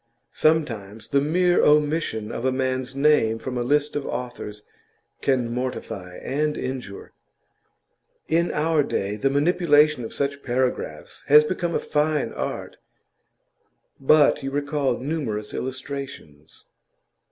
Sometimes the mere omission of a man's name from a list of authors can mortify and injure. In our day the manipulation of such paragraphs has become a fine art; but you recall numerous illustrations.